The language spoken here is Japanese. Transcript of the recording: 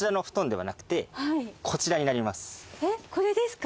えっこれですか？